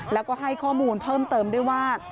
แล้วก็ให้ข้อมูลเพิ่มเติมด้วยว่า